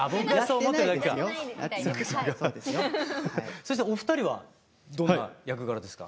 そしてお二人はどんな役柄ですか？